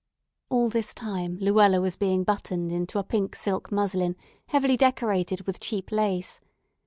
All this time Luella was being buttoned into a pink silk muslin heavily decorated with cheap lace.